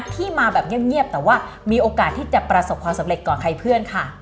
ที่มาแบบเงียบแต่ว่ามีโอกาสที่จะประสบความสำเร็จกว่าใครเพื่อนค่ะ